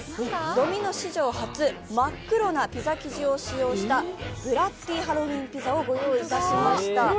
ドミノ史上初真っ黒なピザ生地を使用したブラッディハロウィンピザをご用意しました。